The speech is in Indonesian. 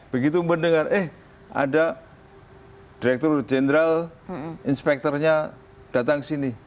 begitu mendengar eh ada direktur jenderal inspektornya datang ke sini